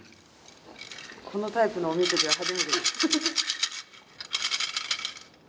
このタイプのおみくじは初めてです。